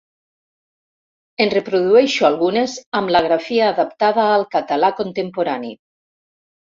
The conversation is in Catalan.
En reprodueixo algunes amb la grafia adaptada al català contemporani.